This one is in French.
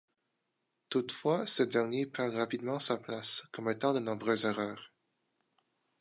Toutefois, ce dernier perd rapidement sa place, commettant de nombreuses erreurs.